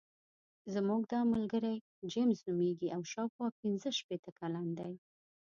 زموږ دا ملګری جیمز نومېږي او شاوخوا پنځه شپېته کلن دی.